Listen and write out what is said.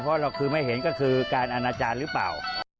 เพราะเราคือไม่เห็นก็คือการอนาจารย์หรือเปล่า